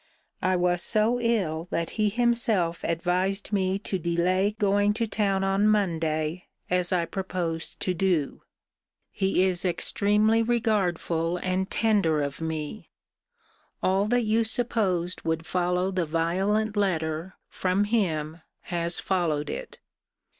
I was so ill that he himself advised me to delay going to town on Monday, as I proposed to do. He is extremely regardful and tender of me. All that you supposed would follow the violent letter, from him, has followed it.